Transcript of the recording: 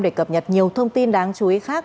để cập nhật nhiều thông tin đáng chú ý khác